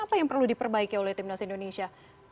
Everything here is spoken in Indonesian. apa yang perlu diperbaiki oleh timnas indonesia